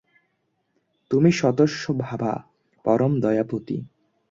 তুমি সৎস্বভাবা, পরম দয়াবতী।